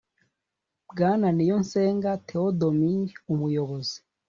Bwana niyonsenga theodomir umuyobozi